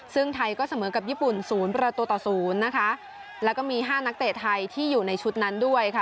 ซึ่งไทยก็เสมอกับญี่ปุ่นศูนย์ประตูต่อศูนย์นะคะแล้วก็มีห้านักเตะไทยที่อยู่ในชุดนั้นด้วยค่ะ